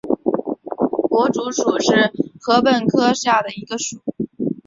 薄竹属是禾本科下的一个属。